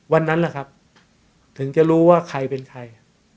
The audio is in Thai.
วันนั้นแหละครับถึงจะรู้ว่าใครเป็นใคร